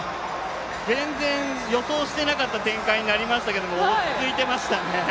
全然予想してなかった展開になりましたけど、落ち着いてましたね。